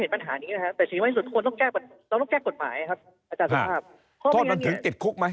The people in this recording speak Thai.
ส่วนใหญ่ไม่ติดหรอกครับเพราะว่าอย่าลืมครับเขาก็หลอกเงินพี่น้องประชวนไปได้เขามีเงินเยอะครับ